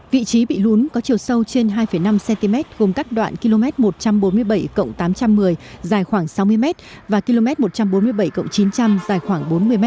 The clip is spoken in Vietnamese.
vị trí bị lún có chiều sâu trên hai năm cm gồm các đoạn km một trăm bốn mươi bảy tám trăm một mươi dài khoảng sáu mươi m và km một trăm bốn mươi bảy chín trăm linh dài khoảng bốn mươi m